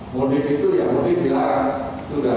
mudik itu ya mudik di larang sudah